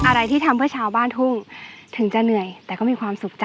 อะไรที่ทำเพื่อชาวบ้านทุ่งถึงจะเหนื่อยแต่ก็มีความสุขจ้